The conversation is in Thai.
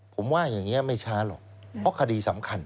ผมว่าอย่างนี้ไม่ช้าหรอกเพราะคดีสำคัญ